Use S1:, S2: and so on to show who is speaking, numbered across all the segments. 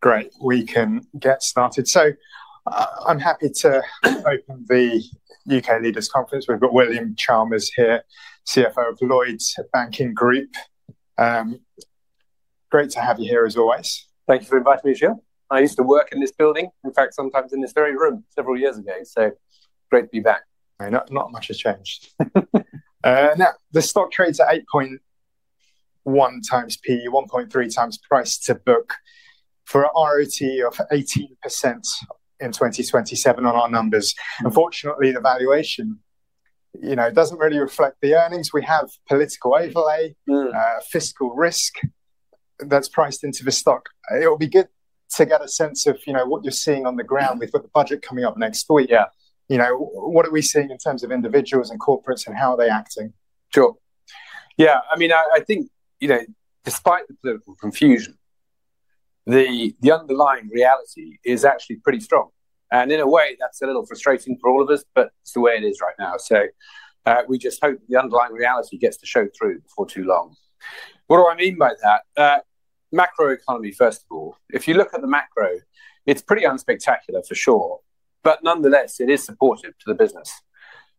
S1: Great. We can get started. I'm happy to open the U.K. Leaders Conference. We've got William Chalmers here, CFO of Lloyds Banking Group. Great to have you here, as always.
S2: Thank you for inviting me, Michiel. I used to work in this building, in fact, sometimes in this very room, several years ago. So great to be back.
S1: Not much has changed. Now, the stock trades at 8.1x P/E, 1.3x price to book, for an ROT of 18% in 2027, on our numbers. Unfortunately, the valuation does not really reflect the earnings. We have political overlay, fiscal risk that is priced into the stock. It will be good to get a sense of what you are seeing on the ground with the budget coming up next week. What are we seeing in terms of individuals and corporates, and how are they acting?
S2: Sure. Yeah. I mean, I think despite the political confusion, the underlying reality is actually pretty strong. In a way, that's a little frustrating for all of us, but it's the way it is right now. We just hope the underlying reality gets to show through before too long. What do I mean by that? Macroeconomy, first of all. If you look at the macro, it's pretty unspectacular, for sure. Nonetheless, it is supportive to the business.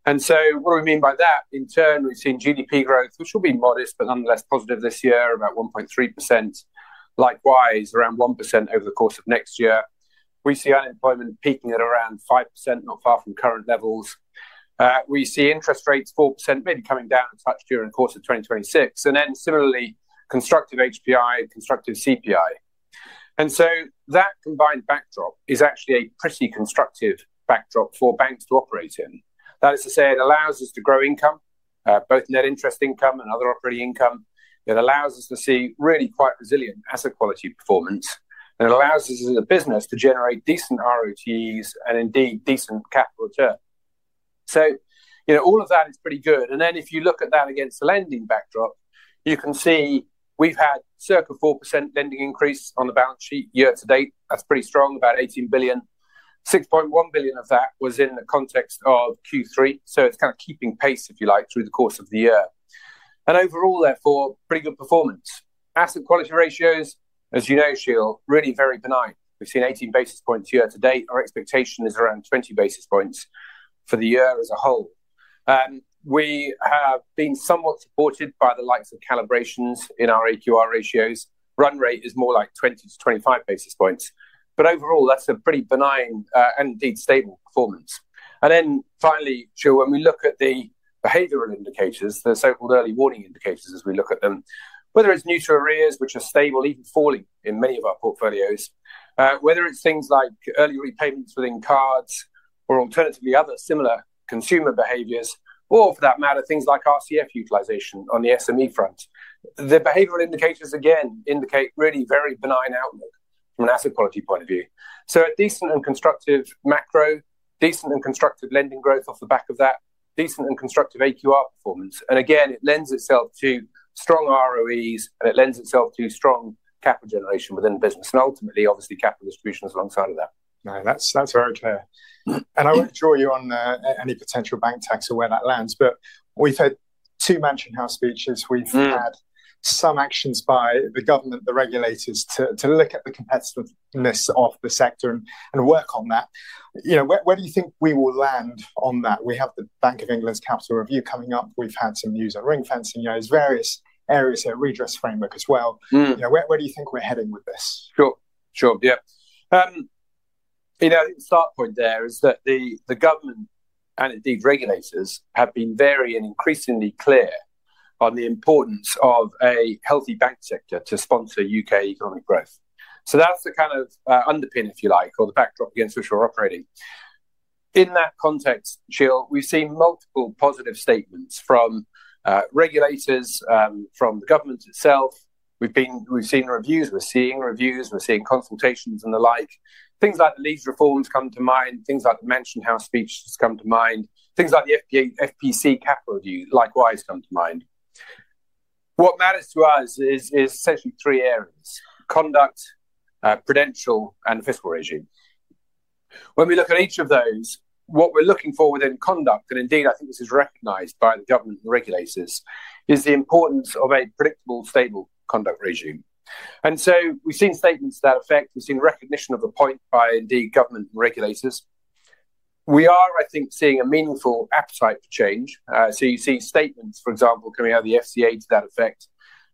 S2: What do we mean by that? In turn, we've seen GDP growth, which will be modest, but nonetheless positive this year, about 1.3%. Likewise, around 1% over the course of next year. We see unemployment peaking at around 5%, not far from current levels. We see interest rates 4%, maybe coming down a touch during the course of 2026. Similarly, constructive HPI, constructive CPI. That combined backdrop is actually a pretty constructive backdrop for banks to operate in. That is to say, it allows us to grow income, both net interest income and other operating income. It allows us to see really quite resilient asset quality performance. It allows us, as a business, to generate decent ROTs and indeed decent capital return. All of that is pretty good. If you look at that against the lending backdrop, you can see we've had circa 4% lending increase on the balance sheet year to date. That is pretty strong, about 18 billion. 6.1 billion of that was in the context of Q3. It is kind of keeping pace, if you like, through the course of the year. Overall, therefore, pretty good performance. Asset quality ratios, as you know, Michiel, really very benign. We've seen 18 basis points year-to-date. Our expectation is around 20 basis points for the year as a whole. We have been somewhat supported by the likes of calibrations in our AQR ratios. Run rate is more like 20-25 basis points. Overall, that is a pretty benign and indeed stable performance. Finally, Michiel, when we look at the behavioral indicators, the so-called early warning indicators, as we look at them, whether it is neutral arrears, which are stable, even falling in many of our portfolios, whether it is things like early repayments within cards, or alternatively other similar consumer behaviors, or for that matter, things like RCF utilization on the SME front, the behavioral indicators, again, indicate really very benign outlook from an asset quality point of view. A decent and constructive macro, decent and constructive lending growth off the back of that, decent and constructive AQR performance. It lends itself to strong ROEs, and it lends itself to strong capital generation within the business, and ultimately, obviously, capital distributions alongside of that.
S1: That's very clear. I won't draw you on any potential bank tax or where that lands. We've had two Mansion House speeches. We've had some actions by the government, the regulators, to look at the competitiveness of the sector and work on that. Where do you think we will land on that? We have the Bank of England's Capital Review coming up. We've had some news on ring-fencing. There are various areas here, redress framework as well. Where do you think we're heading with this?
S2: Sure. Sure. Yeah. I think the start point there is that the government and indeed regulators have been very and increasingly clear on the importance of a healthy bank sector to sponsor U.K. economic growth. That is the kind of underpin, if you like, or the backdrop against which we're operating. In that context, Michiel, we've seen multiple positive statements from regulators, from the government itself. We've seen reviews. We're seeing reviews. We're seeing consultations and the like. Things like the lease reforms come to mind. Things like the Mansion House speeches come to mind. Things like the FPC Capital Review likewise come to mind. What matters to us is essentially three areas: conduct, prudential, and fiscal regime. When we look at each of those, what we're looking for within conduct, and indeed, I think this is recognized by the government and the regulators, is the importance of a predictable, stable conduct regime. We have seen statements to that effect. We have seen recognition of the point by indeed government and regulators. We are, I think, seeing a meaningful appetite for change. You see statements, for example, coming out of the FCA to that effect.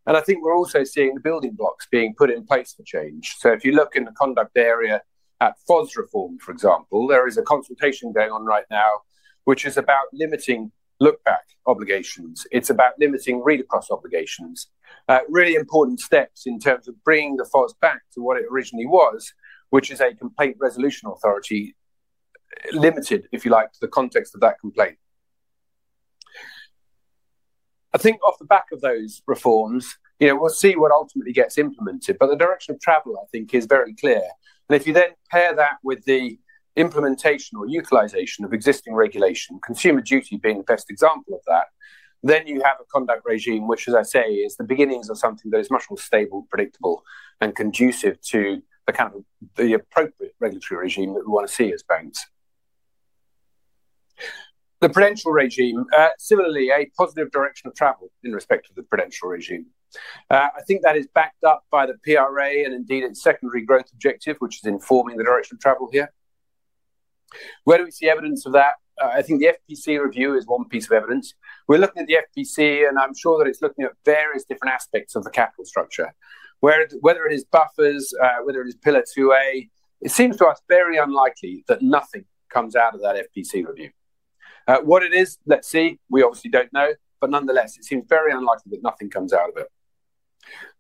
S2: I think we are also seeing the building blocks being put in place for change. If you look in the conduct area at FOSS reform, for example, there is a consultation going on right now, which is about limiting look-back obligations. It is about limiting read-across obligations. Really important steps in terms of bringing the FOSS back to what it originally was, which is a complaint resolution authority limited, if you like, to the context of that complaint. I think off the back of those reforms, we'll see what ultimately gets implemented. The direction of travel, I think, is very clear. If you then pair that with the implementation or utilization of existing regulation, consumer duty being the best example of that, you have a conduct regime which, as I say, is the beginnings of something that is much more stable, predictable, and conducive to the kind of appropriate regulatory regime that we want to see as banks. The prudential regime, similarly, a positive direction of travel in respect of the prudential regime. I think that is backed up by the PRA and indeed its secondary growth objective, which is informing the direction of travel here. Where do we see evidence of that? I think the FPC review is one piece of evidence. We're looking at the FPC, and I'm sure that it's looking at various different aspects of the capital structure. Whether it is buffers, whether it is Pillar 2A, it seems to us very unlikely that nothing comes out of that FPC review. What it is, let's see. We obviously don't know. Nonetheless, it seems very unlikely that nothing comes out of it.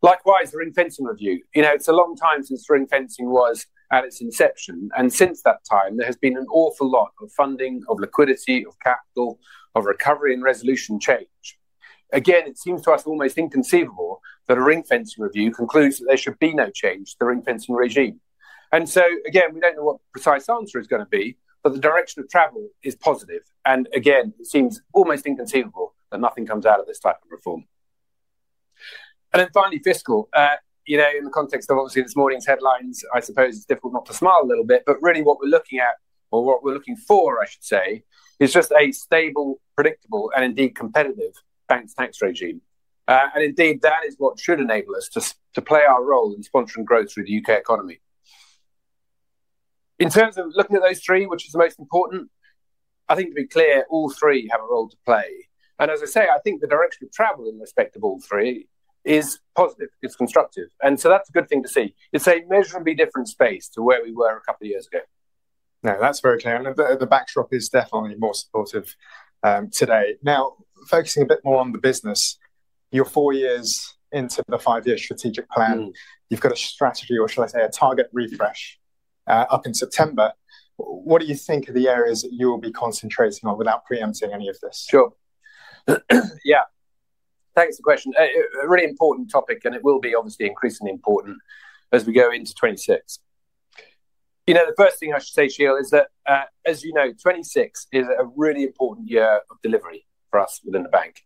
S2: Likewise, the ring-fencing review. It's a long time since ring-fencing was at its inception. Since that time, there has been an awful lot of funding, of liquidity, of capital, of recovery and resolution change. Again, it seems to us almost inconceivable that a ring-fencing review concludes that there should be no change to the ring-fencing regime. We do not know what the precise answer is going to be, but the direction of travel is positive. It seems almost inconceivable that nothing comes out of this type of reform. Finally, fiscal. In the context of obviously this morning's headlines, I suppose it is difficult not to smile a little bit. What we are looking at, or what we are looking for, I should say, is just a stable, predictable, and indeed competitive bank's tax regime. That is what should enable us to play our role in sponsoring growth through the U.K. economy. In terms of looking at those three, which is the most important, I think to be clear, all three have a role to play. As I say, I think the direction of travel in respect of all three is positive. It's constructive. That's a good thing to see. It's a measurably different space to where we were a couple of years ago.
S1: No, that's very clear. The backdrop is definitely more supportive today. Now, focusing a bit more on the business, you're four years into the five-year strategic plan. You've got a strategy, or shall I say, a target refresh up in September. What do you think are the areas that you will be concentrating on without preempting any of this?
S2: Sure. Yeah. Thanks for the question. A really important topic, and it will be obviously increasingly important as we go into 2026. The first thing I should say, Michiel, is that, as you know, 2026 is a really important year of delivery for us within the bank.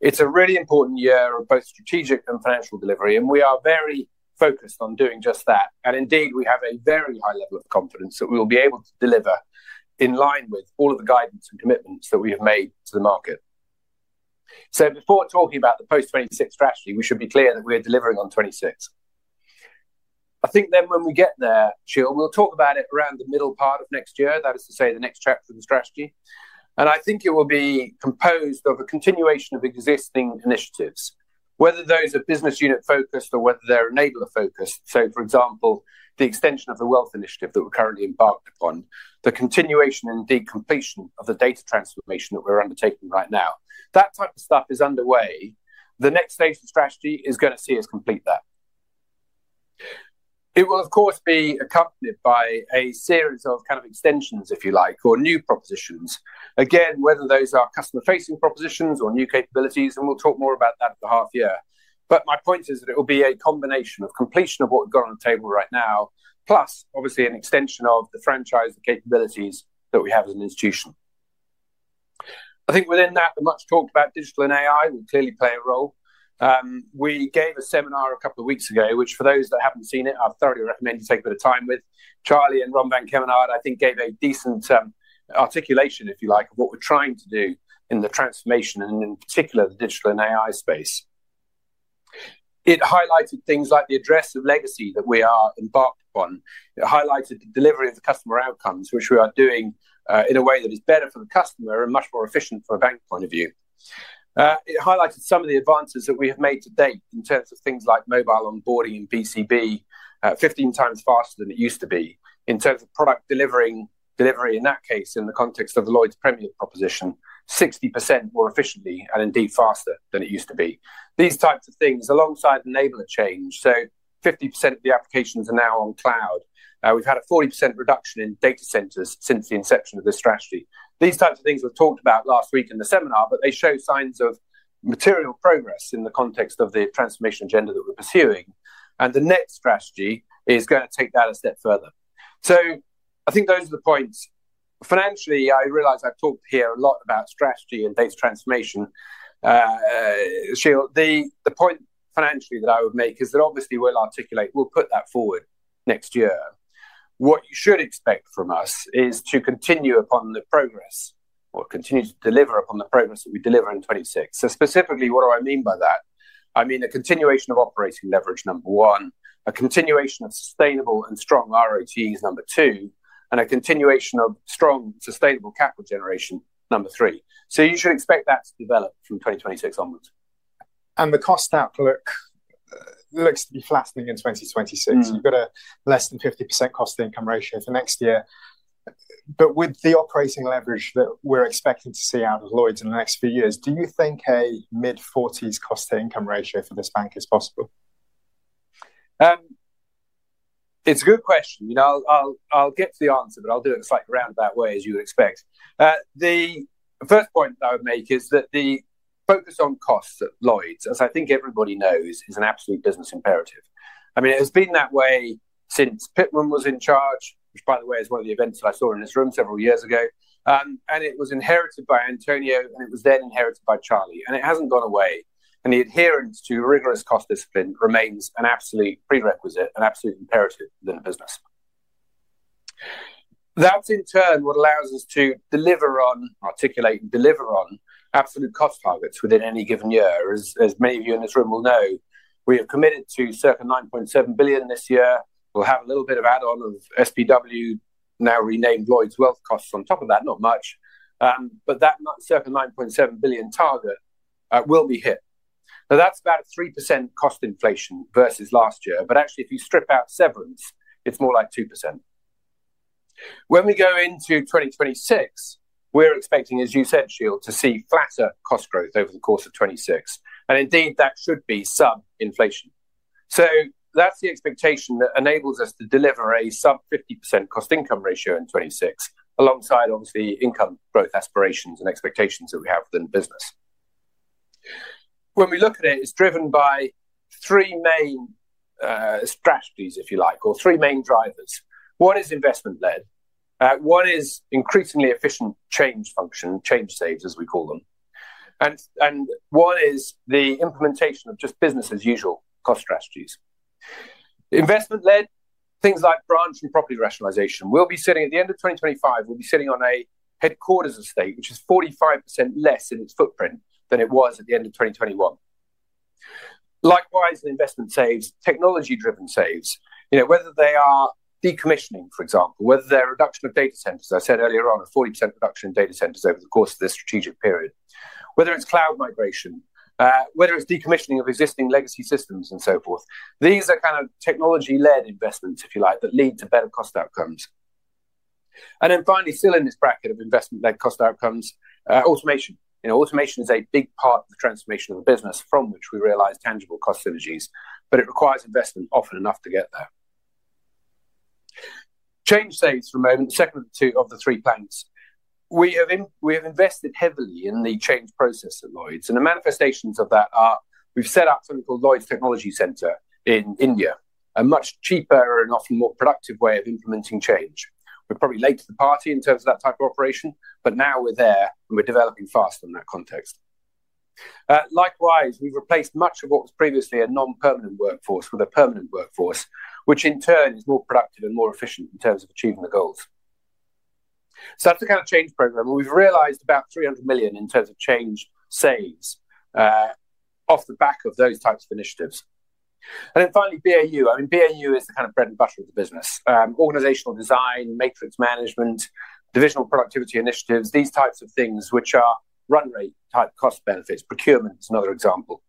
S2: It is a really important year of both strategic and financial delivery. We are very focused on doing just that. Indeed, we have a very high level of confidence that we will be able to deliver in line with all of the guidance and commitments that we have made to the market. Before talking about the post-2026 strategy, we should be clear that we are delivering on 2026. I think then when we get there, Michiel, we will talk about it around the middle part of next year, that is to say, the next chapter of the strategy. I think it will be composed of a continuation of existing initiatives, whether those are business unit-focused or whether they're enabler-focused. For example, the extension of the wealth initiative that we're currently embarked upon, the continuation and indeed completion of the data transformation that we're undertaking right now. That type of stuff is underway. The next stage of the strategy is going to see us complete that. It will, of course, be accompanied by a series of kind of extensions, if you like, or new propositions, again, whether those are customer-facing propositions or new capabilities. We'll talk more about that in the half year. My point is that it will be a combination of completion of what we've got on the table right now, plus, obviously, an extension of the franchise and capabilities that we have as an institution. I think within that, the much talked about digital and AI will clearly play a role. We gave a seminar a couple of weeks ago, which for those that haven't seen it, I thoroughly recommend you take a bit of time with. Charlie and Ron van Kemenade, I think, gave a decent articulation, if you like, of what we're trying to do in the transformation, and in particular, the digital and AI space. It highlighted things like the address of legacy that we are embarked upon. It highlighted the delivery of the customer outcomes, which we are doing in a way that is better for the customer and much more efficient from a bank point of view. It highlighted some of the advances that we have made to date in terms of things like mobile onboarding and BCB, 15x faster than it used to be in terms of product delivery, in that case, in the context of Lloyds' Premier proposition, 60% more efficiently and indeed faster than it used to be. These types of things alongside enabler change. 50% of the applications are now on cloud. We've had a 40% reduction in data centers since the inception of this strategy. These types of things were talked about last week in the seminar, but they show signs of material progress in the context of the transformation agenda that we're pursuing. The next strategy is going to take that a step further. I think those are the points. Financially, I realize I've talked here a lot about strategy and data transformation. Michiel, the point financially that I would make is that obviously, we'll articulate, we'll put that forward next year. What you should expect from us is to continue upon the progress or continue to deliver upon the progress that we deliver in 2026. Specifically, what do I mean by that? I mean a continuation of operating leverage, number one, a continuation of sustainable and strong ROTs, number two, and a continuation of strong, sustainable capital generation, number three. You should expect that to develop from 2026 onwards.
S1: The cost outlook looks to be flattening in 2026. You've got a less than 50% cost-to-income ratio for next year. With the operating leverage that we're expecting to see out of Lloyds in the next few years, do you think a mid-40% cost-to-income ratio for this bank is possible?
S2: It's a good question. I'll get to the answer, but I'll do it in a slightly roundabout way, as you would expect. The first point that I would make is that the focus on costs at Lloyds, as I think everybody knows, is an absolute business imperative. I mean, it has been that way since Pitman was in charge, which, by the way, is one of the events that I saw in his room several years ago. It was inherited by Antonio, and it was then inherited by Charlie. It hasn't gone away. The adherence to rigorous cost discipline remains an absolute prerequisite, an absolute imperative within the business. That's, in turn, what allows us to deliver on, articulate, and deliver on absolute cost targets within any given year. As many of you in this room will know, we have committed to circa 9.7 billion this year. We'll have a little bit of add-on of SPW, now renamed Lloyds Wealth Costs, on top of that. Not much. But that circa 9.7 billion target will be hit. Now, that's about a 3% cost inflation versus last year. If you strip out severance, it's more like 2%. When we go into 2026, we're expecting, as you said, Michiel, to see flatter cost growth over the course of 2026. Indeed, that should be sub-inflation. That's the expectation that enables us to deliver a sub-50% cost-income ratio in 2026, alongside, obviously, income growth aspirations and expectations that we have within the business. When we look at it, it's driven by three main strategies, if you like, or three main drivers. One is investment-led. One is increasingly efficient change function, change saves, as we call them. One is the implementation of just business-as-usual cost strategies. Investment-led, things like branch and property rationalization. At the end of 2025, we'll be sitting on a headquarters estate, which is 45% less in its footprint than it was at the end of 2021. Likewise, the investment saves, technology-driven saves, whether they are decommissioning, for example, whether they're a reduction of data centers. I said earlier on a 40% reduction in data centers over the course of this strategic period, whether it's cloud migration, whether it's decommissioning of existing legacy systems, and so forth. These are kind of technology-led investments, if you like, that lead to better cost outcomes. Finally, still in this bracket of investment-led cost outcomes, automation. Automation is a big part of the transformation of the business from which we realize tangible cost synergies, but it requires investment often enough to get there. Change saves for a moment, the second of the three planks. We have invested heavily in the change process at Lloyds. The manifestations of that are we've set up something called Lloyds Technology Center in India, a much cheaper and often more productive way of implementing change. We're probably late to the party in terms of that type of operation, but now we're there, and we're developing fast in that context. Likewise, we've replaced much of what was previously a non-permanent workforce with a permanent workforce, which in turn is more productive and more efficient in terms of achieving the goals. That's the kind of change program. We've realized about 300 million in terms of change saves off the back of those types of initiatives. Finally, BAU. I mean, BAU is the kind of bread and butter of the business: organizational design, matrix management, divisional productivity initiatives, these types of things which are run-rate-type cost benefits. Procurement is another example.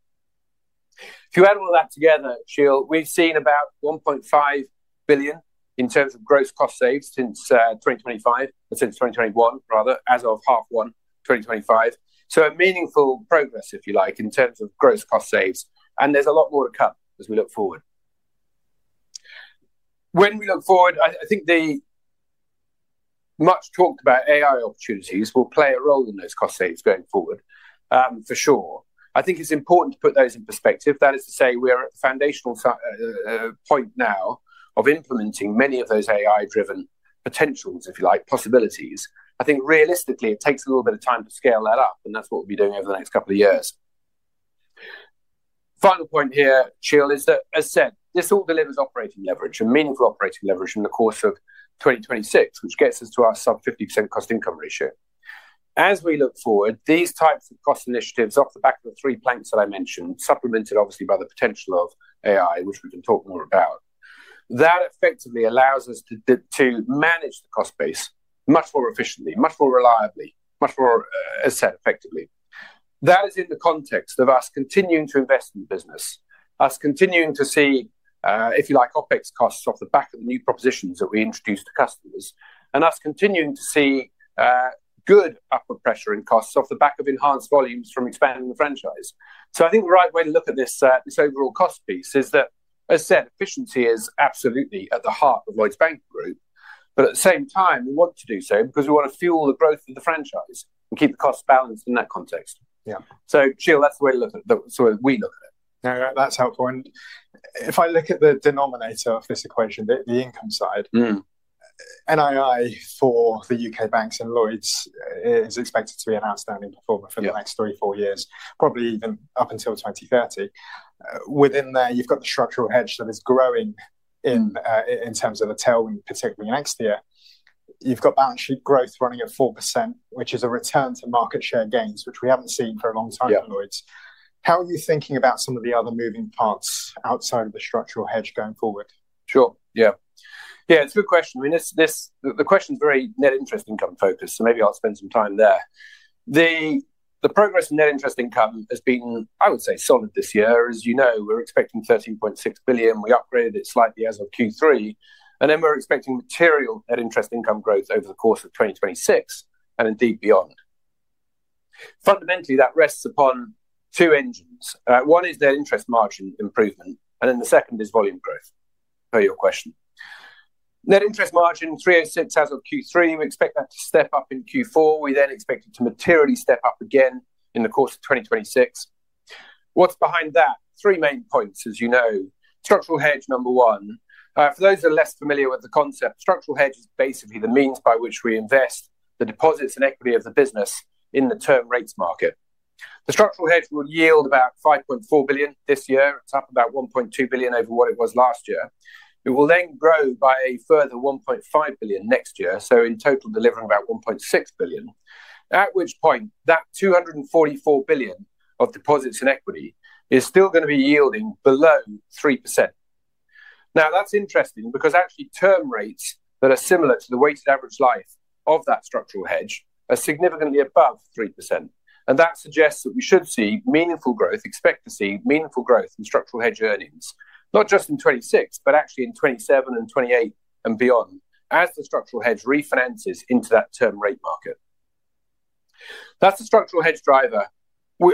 S2: If you add all that together, Michiel, we've seen about 1.5 billion in terms of gross cost saves since 2021, as of half one 2025. A meaningful progress, if you like, in terms of gross cost saves. There is a lot more to come as we look forward. When we look forward, I think the much talked about AI opportunities will play a role in those cost saves going forward, for sure. I think it's important to put those in perspective. That is to say, we're at the foundational point now of implementing many of those AI-driven potentials, if you like, possibilities. I think realistically, it takes a little bit of time to scale that up. That is what we'll be doing over the next couple of years. Final point here, Michiel, is that, as said, this all delivers operating leverage and meaningful operating leverage in the course of 2026, which gets us to our sub-50% cost-income ratio. As we look forward, these types of cost initiatives off the back of the three planks that I mentioned, supplemented obviously by the potential of AI, which we can talk more about, that effectively allows us to manage the cost base much more efficiently, much more reliably, much more, as said, effectively. That is in the context of us continuing to invest in the business, us continuing to see, if you like, OPEX costs off the back of the new propositions that we introduce to customers, and us continuing to see good upward pressure in costs off the back of enhanced volumes from expanding the franchise. I think the right way to look at this overall cost piece is that, as said, efficiency is absolutely at the heart of Lloyds Banking Group. At the same time, we want to do so because we want to fuel the growth of the franchise and keep the costs balanced in that context. Michiel, that's the way to look at it, the way we look at it.
S1: No, that's helpful. If I look at the denominator of this equation, the income side, NII for the U.K. banks and Lloyds is expected to be an outstanding performer for the next three, four years, probably even up until 2030. Within there, you've got the structural hedge that is growing in terms of the tailwind, particularly next year. You've got balance sheet growth running at 4%, which is a return to market share gains, which we haven't seen for a long time at Lloyds. How are you thinking about some of the other moving parts outside of the structural hedge going forward?
S2: Sure. Yeah. Yeah, it's a good question. I mean, the question's very net interest income focused, so maybe I'll spend some time there. The progress in net interest income has been, I would say, solid this year. As you know, we're expecting 13.6 billion. We upgraded it slightly as of Q3. And then we're expecting material net interest income growth over the course of 2026 and indeed beyond. Fundamentally, that rests upon two engines. One is net interest margin improvement, and then the second is volume growth, per your question. Net interest margin 306 basis points as of Q3. We expect that to step up in Q4. We then expect it to materially step up again in the course of 2026. What's behind that? Three main points, as you know. Structural hedge, number one. For those who are less familiar with the concept, structural hedge is basically the means by which we invest the deposits and equity of the business in the term rates market. The structural hedge will yield about 5.4 billion this year. It's up about 1.2 billion over what it was last year. It will then grow by a further 1.5 billion next year, so in total delivering about 1.6 billion, at which point that 244 billion of deposits and equity is still going to be yielding below 3%. Now, that's interesting because actually term rates that are similar to the weighted average life of that structural hedge are significantly above 3%. That suggests that we should see meaningful growth, expect to see meaningful growth in structural hedge earnings, not just in 2026, but actually in 2027 and 2028 and beyond, as the structural hedge refinances into that term rate market. That is the structural hedge driver.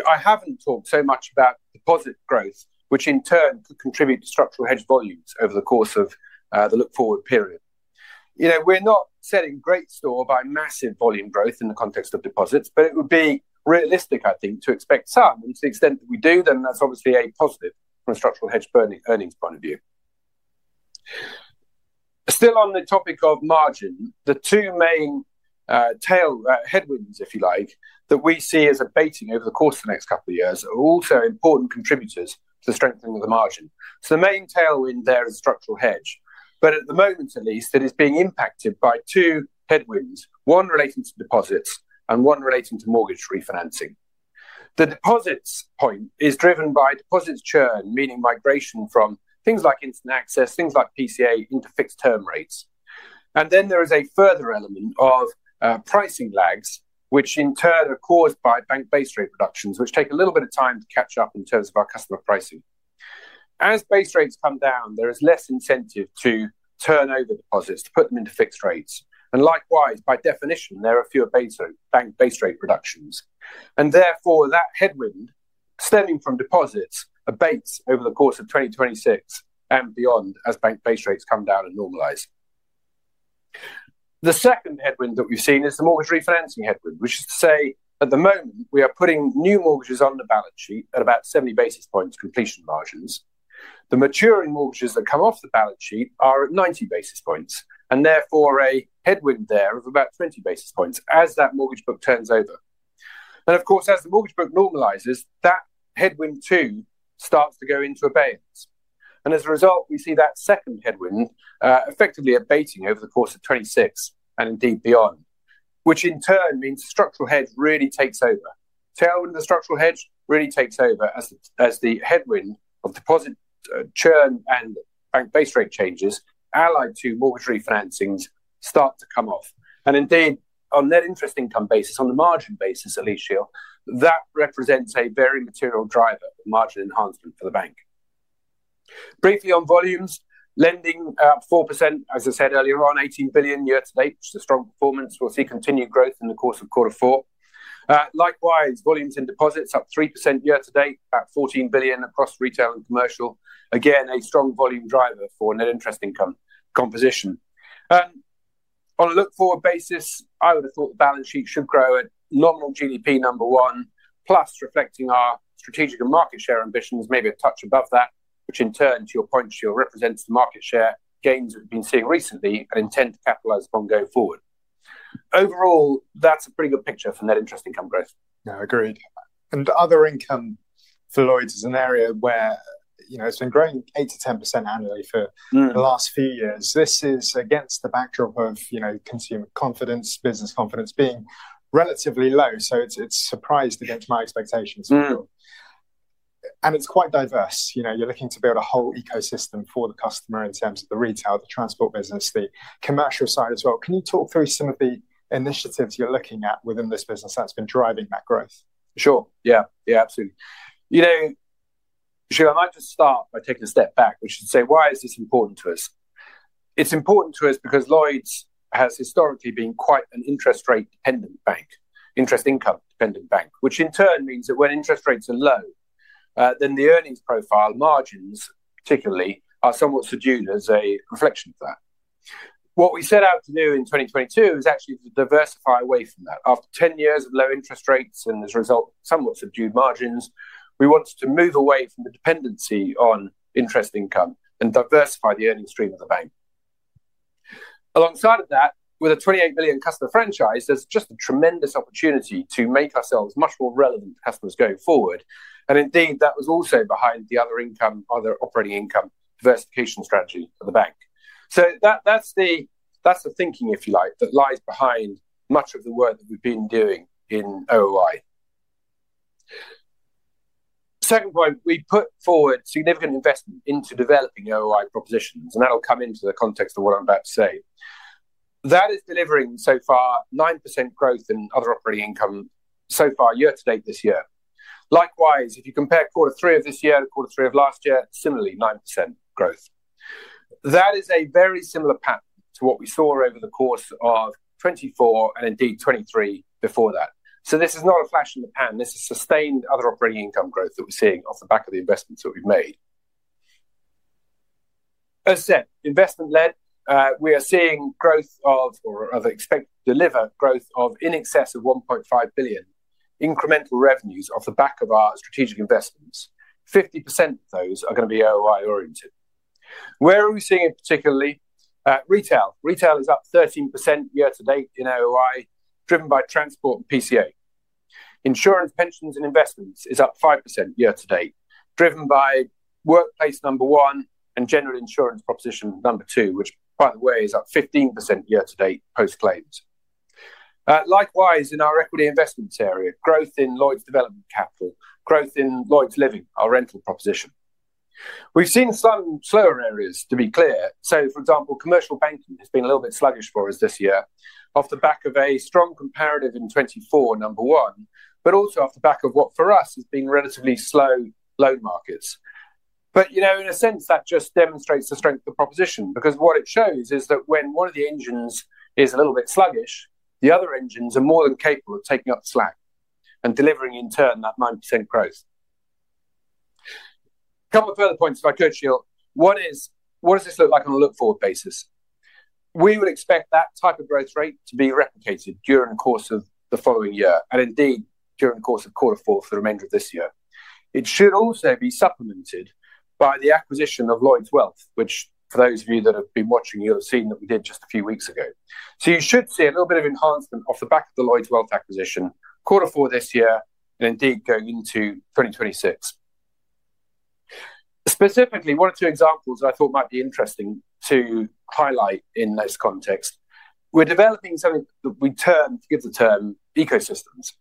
S2: I have not talked so much about deposit growth, which in turn could contribute to structural hedge volumes over the course of the look-forward period. We are not setting a great store by massive volume growth in the context of deposits, but it would be realistic, I think, to expect some. To the extent that we do, then that is obviously a positive from a structural hedge earnings point of view. Still on the topic of margin, the two main headwinds, if you like, that we see as abating over the course of the next couple of years are also important contributors to the strengthening of the margin. The main tailwind there is structural hedge. At the moment, at least, it is being impacted by two headwinds, one relating to deposits and one relating to mortgage refinancing. The deposits point is driven by deposits churn, meaning migration from things like instant access, things like PCA into fixed term rates. There is a further element of pricing lags, which in turn are caused by bank base rate reductions, which take a little bit of time to catch up in terms of our customer pricing. As base rates come down, there is less incentive to turn over deposits, to put them into fixed rates. Likewise, by definition, there are fewer bank base rate reductions. Therefore, that headwind stemming from deposits abates over the course of 2026 and beyond as bank base rates come down and normalize. The second headwind that we've seen is the mortgage refinancing headwind, which is to say, at the moment, we are putting new mortgages on the balance sheet at about 70 basis points completion margins. The maturing mortgages that come off the balance sheet are at 90 basis points and therefore a headwind there of about 20 basis points as that mortgage book turns over. Of course, as the mortgage book normalizes, that headwind too starts to go into abatement. As a result, we see that second headwind effectively abating over the course of 2026 and indeed beyond, which in turn means the structural hedge really takes over. Tailwind of the structural hedge really takes over as the headwind of deposit churn and bank base rate changes allied to mortgage refinancings start to come off. Indeed, on net interest income basis, on the margin basis, at least, Michiel, that represents a very material driver of margin enhancement for the bank. Briefly on volumes, lending up 4%, as I said earlier on, 18 billion year-to-date, which is a strong performance. We'll see continued growth in the course of quarter four. Likewise, volumes in deposits up 3% year-to-date, about 14 billion across retail and commercial. Again, a strong volume driver for net interest income composition. On a look-forward basis, I would have thought the balance sheet should grow at nominal GDP number one, plus reflecting our strategic and market share ambitions, maybe a touch above that, which in turn, to your point, Michiel, represents the market share gains that we've been seeing recently and intend to capitalize upon going forward. Overall, that's a pretty good picture for net interest income growth.
S1: Yeah, agreed. Other income for Lloyds is an area where it's been growing 8%-10% annually for the last few years. This is against the backdrop of consumer confidence, business confidence being relatively low. It surprised against my expectations, Michiel. It's quite diverse. You're looking to build a whole ecosystem for the customer in terms of the retail, the transport business, the commercial side as well. Can you talk through some of the initiatives you're looking at within this business that's been driving that growth?
S2: Sure. Yeah. Yeah, absolutely. Michiel, I might just start by taking a step back, which is to say, why is this important to us? It's important to us because Lloyds has historically been quite an interest rate-dependent bank, interest income-dependent bank, which in turn means that when interest rates are low, then the earnings profile margins, particularly, are somewhat subdued as a reflection of that. What we set out to do in 2022 is actually to diversify away from that. After 10 years of low interest rates and, as a result, somewhat subdued margins, we want to move away from the dependency on interest income and diversify the earnings stream of the bank. Alongside of that, with a 28 billion customer franchise, there's just a tremendous opportunity to make ourselves much more relevant to customers going forward. Indeed, that was also behind the other income, other operating income diversification strategy of the bank. That is the thinking, if you like, that lies behind much of the work that we've been doing in OOI. Second point, we put forward significant investment into developing OOI propositions. That'll come into the context of what I'm about to say. That is delivering so far 9% growth in other operating income so far year to date this year. Likewise, if you compare quarter three of this year to quarter three of last year, similarly, 9% growth. That is a very similar pattern to what we saw over the course of 2024 and indeed 2023 before that. This is not a flash in the pan. This is sustained other operating income growth that we're seeing off the back of the investments that we've made. As said, investment-led, we are seeing growth of, or are expected to deliver growth of in excess of $1.5 billion incremental revenues off the back of our strategic investments. 50% of those are going to be OOI-oriented. Where are we seeing it particularly? Retail. Retail is up 13% year-to-date in OOI, driven by transport and PCA. Insurance, pensions, and investments is up 5% year-to-date, driven by workplace number one and general insurance proposition number two, which, by the way, is up 15% year-to-date post-claims. Likewise, in our equity investments area, growth in Lloyds Development Capital, growth in Lloyds Living, our rental proposition. We've seen some slower areas, to be clear. For example, commercial banking has been a little bit sluggish for us this year off the back of a strong comparative in 2024, number one, but also off the back of what for us has been relatively slow loan markets. In a sense, that just demonstrates the strength of the proposition because what it shows is that when one of the engines is a little bit sluggish, the other engines are more than capable of taking up slack and delivering, in turn, that 9% growth. A couple of further points if I could, Michiel. One is, what does this look like on a look-forward basis? We would expect that type of growth rate to be replicated during the course of the following year and indeed during the course of quarter four for the remainder of this year. It should also be supplemented by the acquisition of Lloyds Wealth, which for those of you that have been watching, you'll have seen that we did just a few weeks ago. You should see a little bit of enhancement off the back of the Lloyds Wealth acquisition quarter four this year and indeed going into 2026. Specifically, one or two examples that I thought might be interesting to highlight in this context, we're developing something that we termed, to give the term, ecosystems.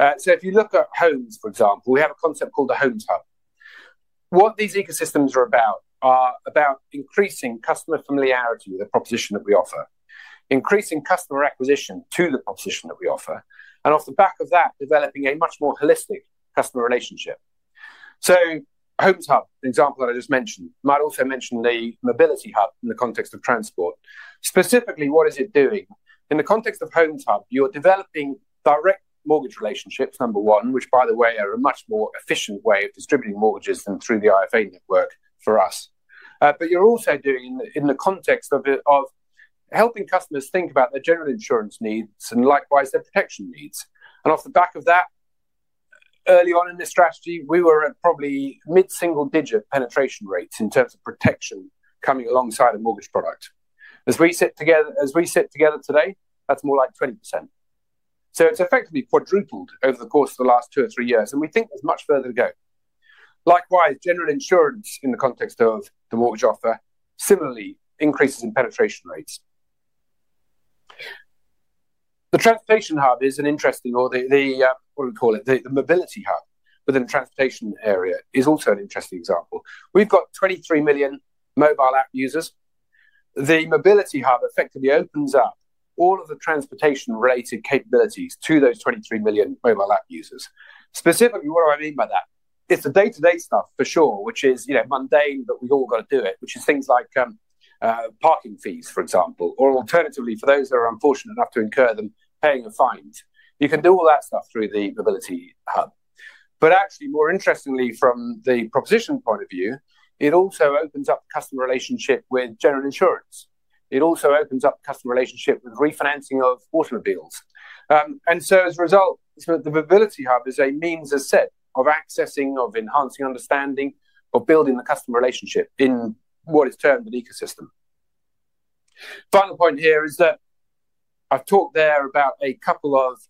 S2: If you look at homes, for example, we have a concept called the Home Hub. What these ecosystems are about are about increasing customer familiarity with the proposition that we offer, increasing customer acquisition to the proposition that we offer, and off the back of that, developing a much more holistic customer relationship. Home Hub, the example that I just mentioned, might also mention the Mobility Hub in the context of transport. Specifically, what is it doing? In the context of Home Hub, you're developing direct mortgage relationships number one, which, by the way, are a much more efficient way of distributing mortgages than through the IFA network for us. You're also doing in the context of helping customers think about their general insurance needs and likewise their protection needs. Off the back of that, early on in this strategy, we were at probably mid-single-digit penetration rates in terms of protection coming alongside a mortgage product. As we sit together today, that's more like 20%. It's effectively quadrupled over the course of the last two or three years, and we think there's much further to go. Likewise, general insurance in the context of the mortgage offer, similarly, increases in penetration rates. The transportation hub is an interesting, or what do we call it? The Mobility Hub within the transportation area is also an interesting example. We've got 23 million mobile app users. The Mobility Hub effectively opens up all of the transportation-related capabilities to those 23 million mobile app users. Specifically, what do I mean by that? It's the day-to-day stuff for sure, which is mundane, but we've all got to do it, which is things like parking fees, for example, or alternatively, for those that are unfortunate enough to incur them, paying a fine. You can do all that stuff through the Mobility Hub. More interestingly, from the proposition point of view, it also opens up the customer relationship with general insurance. It also opens up the customer relationship with refinancing of automobiles. As a result, the Mobility Hub is a means of accessing, of enhancing understanding, of building the customer relationship in what is termed an ecosystem. The final point here is that I've talked there about a couple of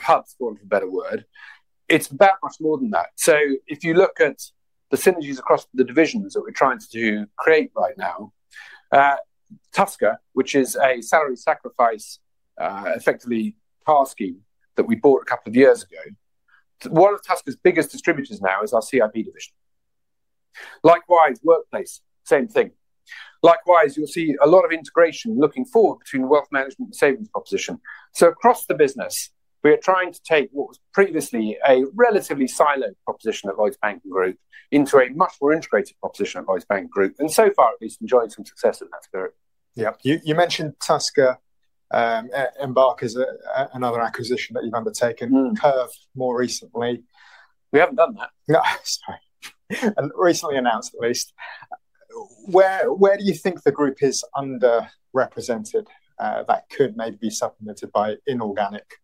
S2: hubs, for want of a better word. It's about much more than that. If you look at the synergies across the divisions that we're trying to create right now, Tusker, which is a salary sacrifice effectively tasking that we bought a couple of years ago, one of Tusker's biggest distributors now is our CIB division. Likewise, workplace, same thing. Likewise, you'll see a lot of integration looking forward between wealth management and savings proposition. Across the business, we are trying to take what was previously a relatively siloed proposition at Lloyds Banking Group into a much more integrated proposition at Lloyds Banking Group, and so far, at least, enjoying some success in that spirit.
S1: Yeah. You mentioned Tusker, Embark is another acquisition that you've undertaken, Curve, more recently.
S2: We haven't done that.
S1: No. Sorry. Recently announced, at least. Where do you think the group is underrepresented that could maybe be supplemented by inorganic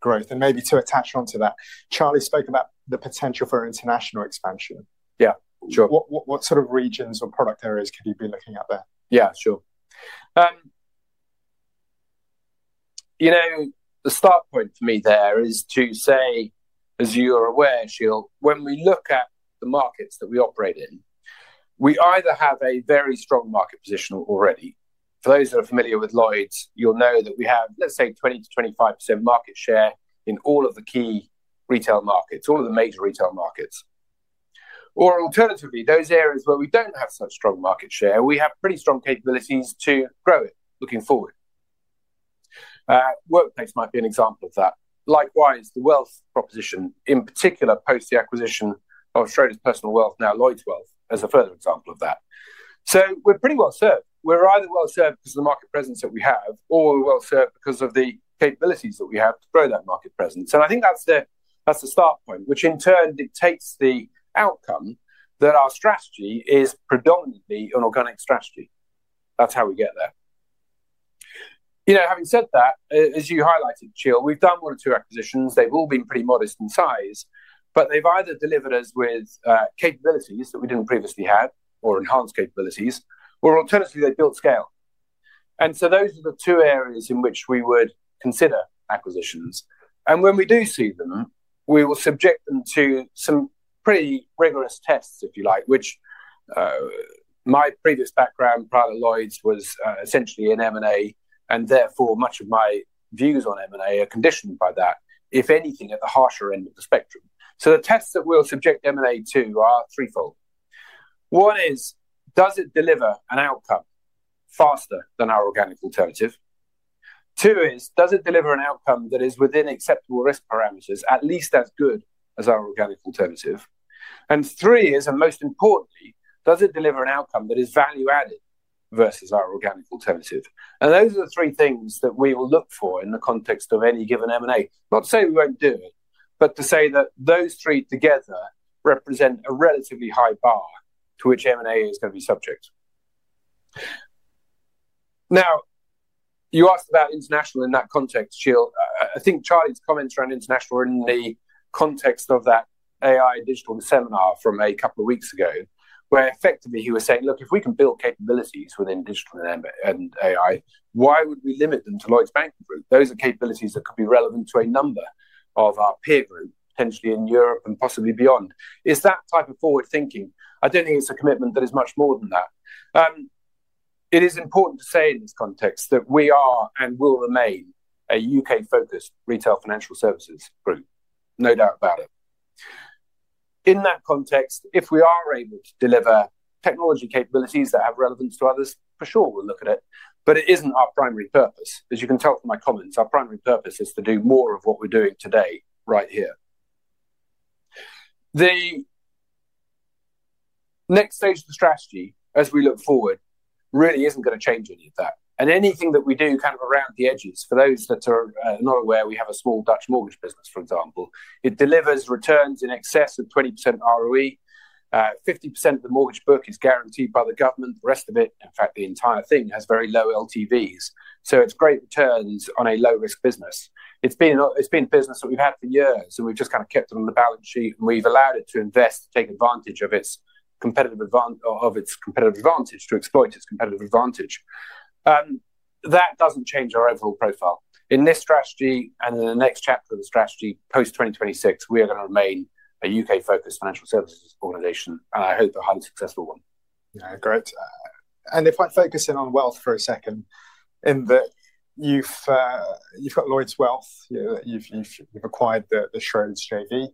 S1: growth? Maybe to attach on to that, Charlie spoke about the potential for international expansion.
S2: Yeah. Sure.
S1: What sort of regions or product areas could you be looking at there?
S2: Yeah. Sure. The start point for me there is to say, as you are aware, Michiel, when we look at the markets that we operate in, we either have a very strong market position already. For those that are familiar with Lloyds, you'll know that we have, let's say, 20%-25% market share in all of the key retail markets, all of the major retail markets. Or alternatively, those areas where we don't have such strong market share, we have pretty strong capabilities to grow it looking forward. Workplace might be an example of that. Likewise, the wealth proposition, in particular, post the acquisition of Schroders Personal Wealth, now Lloyds Wealth, as a further example of that. So we're pretty well served. We're either well served because of the market presence that we have or we're well served because of the capabilities that we have to grow that market presence. I think that's the start point, which in turn dictates the outcome that our strategy is predominantly an organic strategy. That's how we get there. Having said that, as you highlighted, Michiel, we've done one or two acquisitions. They've all been pretty modest in size, but they've either delivered us with capabilities that we didn't previously have or enhanced capabilities, or alternatively, they've built scale. Those are the two areas in which we would consider acquisitions. When we do see them, we will subject them to some pretty rigorous tests, if you like, which my previous background, prior to Lloyds, was essentially in M&A, and therefore, much of my views on M&A are conditioned by that, if anything, at the harsher end of the spectrum. The tests that we'll subject M&A to are threefold. One is, does it deliver an outcome faster than our organic alternative? Two is, does it deliver an outcome that is within acceptable risk parameters, at least as good as our organic alternative? Three is, and most importantly, does it deliver an outcome that is value-added versus our organic alternative? Those are the three things that we will look for in the context of any given M&A. Not to say we won't do it, but to say that those three together represent a relatively high bar to which M&A is going to be subject. Now, you asked about international in that context, Michiel. I think Charlie's comments around international were in the context of that AI digital seminar from a couple of weeks ago where effectively he was saying, "Look, if we can build capabilities within digital and AI, why would we limit them to Lloyds Banking Group? Those are capabilities that could be relevant to a number of our peer group, potentially in Europe and possibly beyond." It's that type of forward thinking. I don't think it's a commitment that is much more than that. It is important to say in this context that we are and will remain a U.K.-focused retail financial services group, no doubt about it. In that context, if we are able to deliver technology capabilities that have relevance to others, for sure, we'll look at it. It isn't our primary purpose. As you can tell from my comments, our primary purpose is to do more of what we're doing today right here. The next stage of the strategy, as we look forward, really isn't going to change any of that. Anything that we do kind of around the edges, for those that are not aware, we have a small Dutch mortgage business, for example. It delivers returns in excess of 20% ROE. 50% of the mortgage book is guaranteed by the government. The rest of it, in fact, the entire thing has very low LTVs. It is great returns on a low-risk business. It's been a business that we've had for years, and we've just kind of kept it on the balance sheet, and we've allowed it to invest, take advantage of its competitive advantage to exploit its competitive advantage. That doesn't change our overall profile. In this strategy and in the next chapter of the strategy post-2026, we are going to remain a U.K.-focused financial services organization, and I hope a highly successful one.
S1: Yeah. Great. If I focus in on wealth for a second, in that you've got Lloyds Wealth, you've acquired the Schroders JV,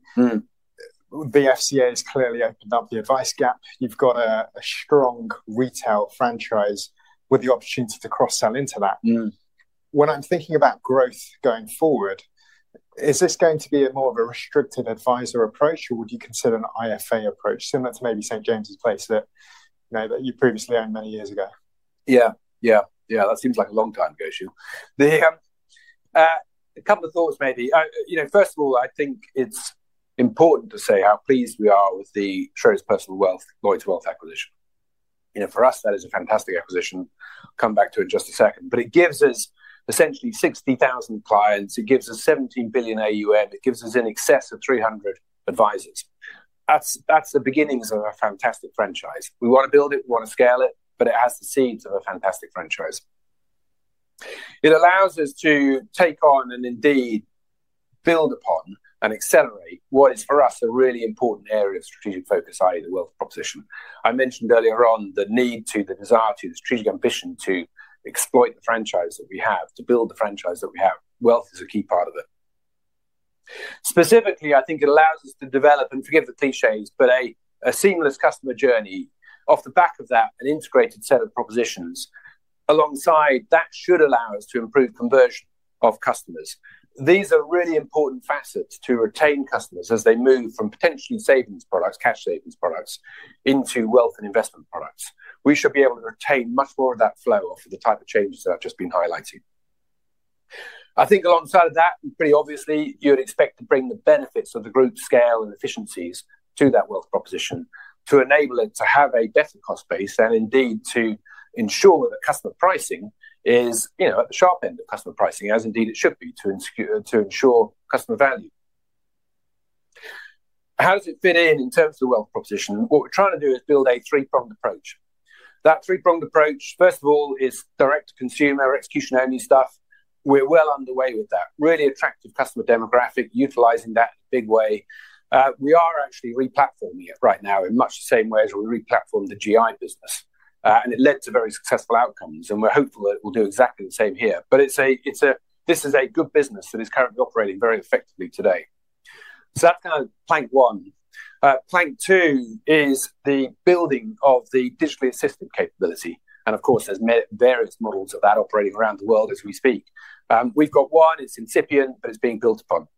S1: the FCA has clearly opened up the advice gap, you've got a strong retail franchise with the opportunity to cross-sell into that. When I'm thinking about growth going forward, is this going to be more of a restricted advisor approach, or would you consider an IFA approach similar to maybe St. James's Place that you previously owned many years ago?
S2: Yeah. Yeah. That seems like a long time ago, Michiel. A couple of thoughts maybe. First of all, I think it's important to say how pleased we are with the Schroders Personal Wealth, Lloyds Wealth acquisition. For us, that is a fantastic acquisition. I'll come back to it in just a second. It gives us essentially 60,000 clients. It gives us 17 billion AUM. It gives us in excess of 300 advisors. That's the beginnings of a fantastic franchise. We want to build it. We want to scale it, but it has the seeds of a fantastic franchise. It allows us to take on and indeed build upon and accelerate what is, for us, a really important area of strategic focus, i.e., the wealth proposition. I mentioned earlier on the need to, the desire to, the strategic ambition to exploit the franchise that we have, to build the franchise that we have. Wealth is a key part of it. Specifically, I think it allows us to develop, and forgive the clichés, but a seamless customer journey off the back of that, an integrated set of propositions alongside that should allow us to improve conversion of customers. These are really important facets to retain customers as they move from potentially savings products, cash savings products, into wealth and investment products. We should be able to retain much more of that flow off of the type of changes that I've just been highlighting. I think alongside of that, pretty obviously, you would expect to bring the benefits of the group scale and efficiencies to that wealth proposition to enable it to have a better cost base and indeed to ensure that customer pricing is at the sharp end of customer pricing, as indeed it should be, to ensure customer value. How does it fit in in terms of the wealth proposition? What we're trying to do is build a three-pronged approach. That three-pronged approach, first of all, is direct to consumer, execution-only stuff. We're well underway with that. Really attractive customer demographic, utilizing that in a big way. We are actually replatforming it right now in much the same way as we replatformed the GI business, and it led to very successful outcomes, and we're hopeful that it will do exactly the same here. This is a good business that is currently operating very effectively today. That is kind of plank one. Plank two is the building of the digitally assisted capability. Of course, there are various models of that operating around the world as we speak. We have one, it is incipient, but it is being built upon.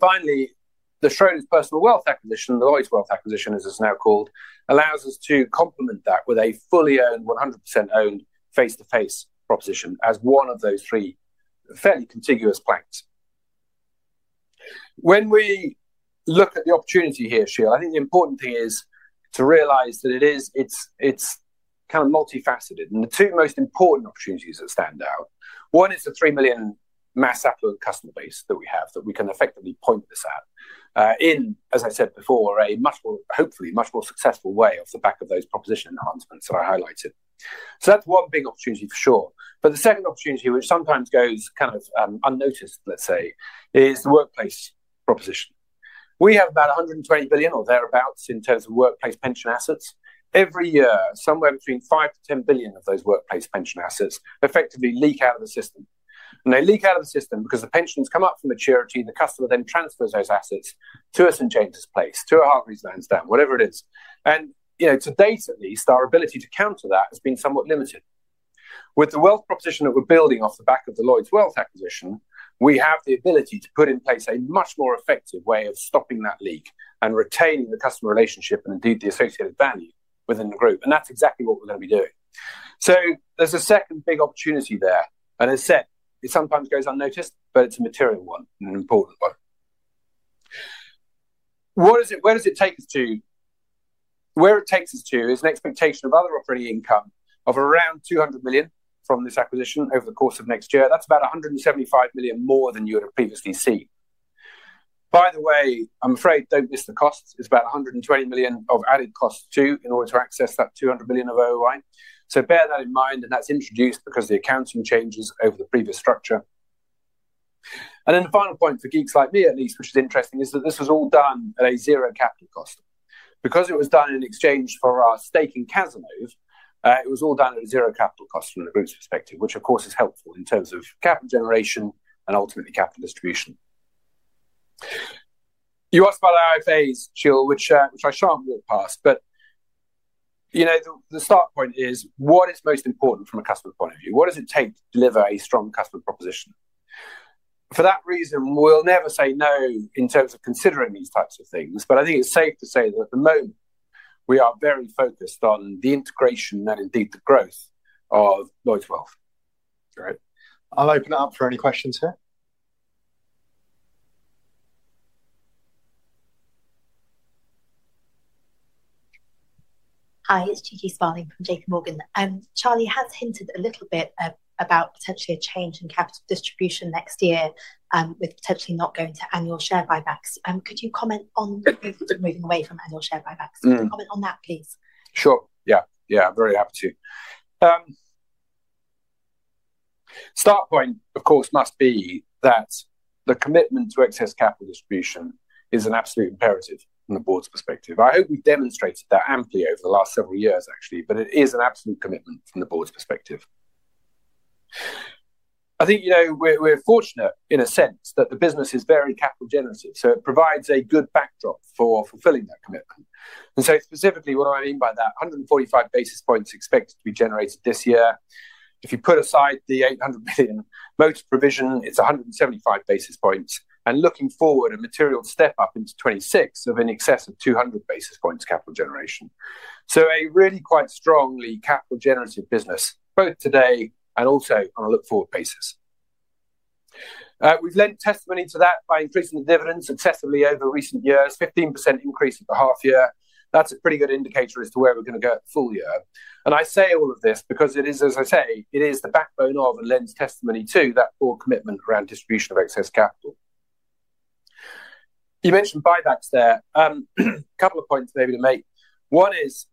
S2: Finally, the Schroders Personal Wealth acquisition, the Lloyds Wealth acquisition as it is now called, allows us to complement that with a fully owned, 100% owned face-to-face proposition as one of those three fairly contiguous planks. When we look at the opportunity here, Michiel, I think the important thing is to realize that it is kind of multifaceted. The two most important opportunities that stand out, one is the 3 million mass affluent customer base that we have that we can effectively point this at in, as I said before, a much more, hopefully, much more successful way off the back of those proposition enhancements that I highlighted. That is one big opportunity for sure. The second opportunity, which sometimes goes kind of unnoticed, let's say, is the workplace proposition. We have about 120 billion or thereabouts in terms of workplace pension assets. Every year, somewhere between 5 billion-10 billion of those workplace pension assets effectively leak out of the system. They leak out of the system because the pensions come up for maturity, the customer then transfers those assets to a St. James's Place, to a Hargreaves Lansdown, whatever it is. To date, at least, our ability to counter that has been somewhat limited. With the wealth proposition that we're building off the back of the Lloyds Wealth acquisition, we have the ability to put in place a much more effective way of stopping that leak and retaining the customer relationship and indeed the associated value within the group. That is exactly what we're going to be doing. There is a second big opportunity there. As I said, it sometimes goes unnoticed, but it is a material one and an important one. Where does it take us to? Where it takes us to is an expectation of other operating income of around 200 million from this acquisition over the course of next year. That is about 175 million more than you would have previously seen. By the way, I am afraid do not miss the costs. is about 120 million of added costs too in order to access that 200 million of OOI. Bear that in mind, and that is introduced because of the accounting changes over the previous structure. The final point for geeks like me, at least, which is interesting, is that this was all done at a zero capital cost. Because it was done in exchange for our stake in Cazenove, it was all done at a zero capital cost from the group's perspective, which of course is helpful in terms of capital generation and ultimately capital distribution. You asked about the IFAs, Michiel, which I shan't walk past, but the start point is, what is most important from a customer point of view? What does it take to deliver a strong customer proposition? For that reason, we'll never say no in terms of considering these types of things, but I think it's safe to say that at the moment, we are very focused on the integration and indeed the growth of Lloyds Wealth.
S1: All right. I'll open it up for any questions here.
S3: Hi, it's Gigi Sparling from JPMorgan. Charlie has hinted a little bit about potentially a change in capital distribution next year with potentially not going to annual share buybacks. Could you comment on moving away from annual share buybacks? Can you comment on that, please?
S2: Sure. Yeah. Yeah. I'm very happy to. Start point, of course, must be that the commitment to excess capital distribution is an absolute imperative from the board's perspective. I hope we've demonstrated that amply over the last several years, actually, but it is an absolute commitment from the board's perspective. I think we're fortunate in a sense that the business is very capital generative, so it provides a good backdrop for fulfilling that commitment. Specifically, what do I mean by that? 145 basis points expected to be generated this year. If you put aside the 800 million motor provision, it's 175 basis points and looking forward, a material step up into 2026 of in excess of 200 basis points capital generation. A really quite strongly capital generative business, both today and also on a look-forward basis. We've lent testimony to that by increasing the dividends successively over recent years, 15% increase at the half year. That's a pretty good indicator as to where we're going to go at the full year. I say all of this because it is, as I say, it is the backbone of and lends testimony to that core commitment around distribution of excess capital. You mentioned buybacks there. A couple of points maybe to make. One is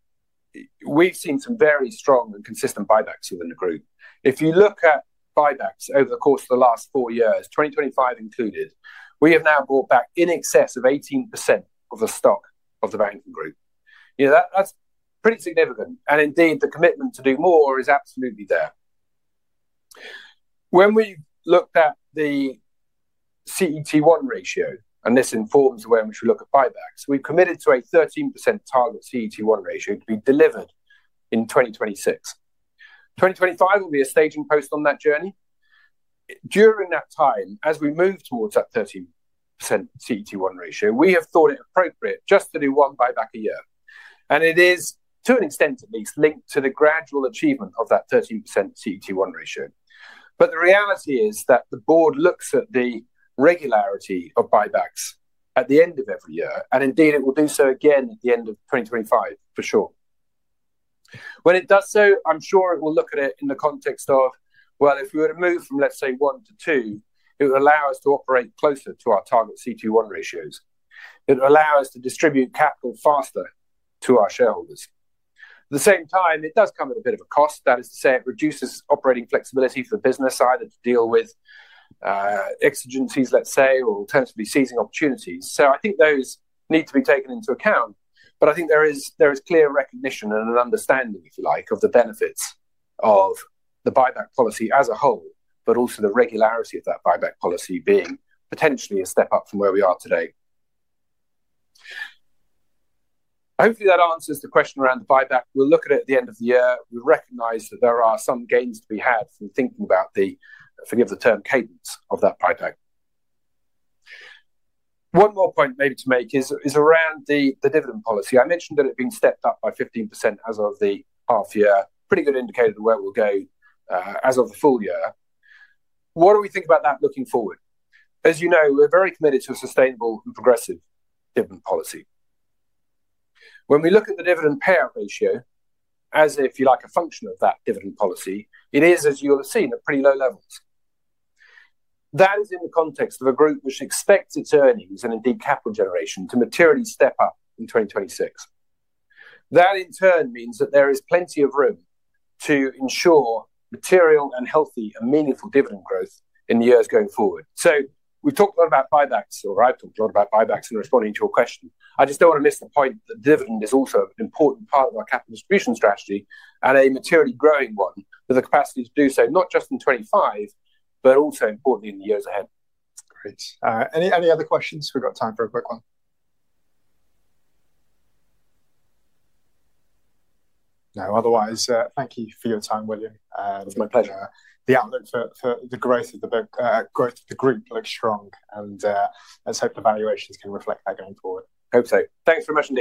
S2: we've seen some very strong and consistent buybacks within the group. If you look at buybacks over the course of the last four years, 2025 included, we have now bought back in excess of 18% of the stock of the banking group. That's pretty significant. Indeed, the commitment to do more is absolutely there. When we looked at the CET1 ratio, and this informs the way in which we look at buybacks, we've committed to a 13% target CET1 ratio to be delivered in 2026. 2025 will be a staging post on that journey. During that time, as we move towards that 13% CET1 ratio, we have thought it appropriate just to do one buyback a year. It is, to an extent at least, linked to the gradual achievement of that 13% CET1 ratio. The reality is that the board looks at the regularity of buybacks at the end of every year, and indeed, it will do so again at the end of 2025 for sure. When it does so, I'm sure it will look at it in the context of, well, if we were to move from, let's say, one to two, it would allow us to operate closer to our target CET1 ratios. It would allow us to distribute capital faster to our shareholders. At the same time, it does come at a bit of a cost. That is to say, it reduces operating flexibility for the business, either to deal with exigencies, let's say, or alternatively seizing opportunities. I think those need to be taken into account. I think there is clear recognition and an understanding, if you like, of the benefits of the buyback policy as a whole, but also the regularity of that buyback policy being potentially a step up from where we are today. Hopefully, that answers the question around the buyback. We'll look at it at the end of the year. We recognize that there are some gains to be had from thinking about the, forgive the term, cadence of that buyback. One more point maybe to make is around the dividend policy. I mentioned that it had been stepped up by 15% as of the half year, pretty good indicator of where we'll go as of the full year. What do we think about that looking forward? As you know, we're very committed to a sustainable and progressive dividend policy. When we look at the dividend payout ratio, as if you like, a function of that dividend policy, it is, as you will have seen, at pretty low levels. That is in the context of a group which expects its earnings and indeed capital generation to materially step up in 2026. That, in turn, means that there is plenty of room to ensure material and healthy and meaningful dividend growth in the years going forward. We've talked a lot about buybacks, or I've talked a lot about buybacks in responding to your question. I just don't want to miss the point that dividend is also an important part of our capital distribution strategy and a materially growing one with the capacity to do so not just in 2025, but also importantly in the years ahead.
S1: Great. Any other questions? We've got time for a quick one. No. Otherwise, thank you for your time, William.
S2: It was my pleasure.
S1: The outlook for the growth of the group looks strong, and let's hope the valuations can reflect that going forward.
S2: Hope so. Thanks very much.